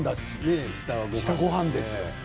下はごはんですよ。